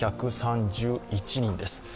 ６２３１人です。